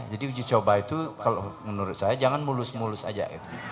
jadi uji coba itu menurut saya jangan mulus mulus aja